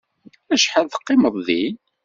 Acḥal teqqimeḍ din?